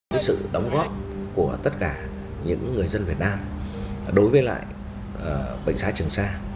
cái sự đóng góp của tất cả những người dân việt nam đối với lại bệnh xá trường sa